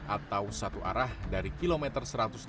atau satu arah dari kilometer satu ratus delapan puluh